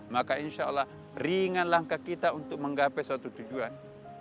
maka insyaallah ringan langkah kita untuk menggapai suatu tujuan